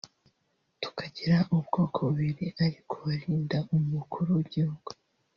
tukagira ubwoko bubiri ari ku barinda Umukuru w’Igihugu